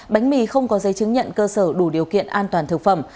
bánh mì không có giấy chứng nhận cơ sở đủ điều kiện an toàn thực phẩm